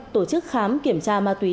tổ chức khám kiểm tra ma túy